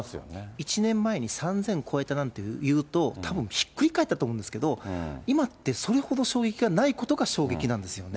１年前に３０００超えたなんて言うと、たぶんひっくり返ったと思うんですけど、今ってそれほど、そういう気がないことが衝撃なんですよね。